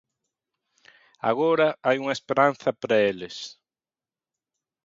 Agora hai unha esperanza para eles.